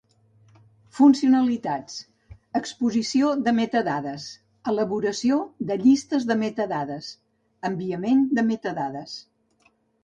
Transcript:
Funcionalitats: exposició de metadades; elaboració de llistes de metadades; enviament de metadades.